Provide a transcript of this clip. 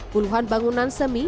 puluhan bangunan semi